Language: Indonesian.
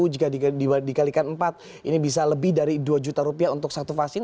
jika dikalikan empat ini bisa lebih dari rp dua untuk satu vaksin